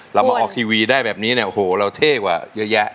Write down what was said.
เรามาออกทีวีได้แบบนี้เนี่ยโอ้โหเราเท่กว่าเยอะแยะ